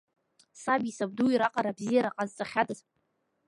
Саби сабдуи раҟара абзиара ҟазҵахьадаз.